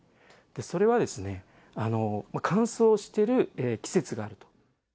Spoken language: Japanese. それは乾燥してる季節があると。